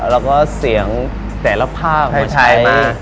แล้วก็เสียงแต่ละภาพมาใช้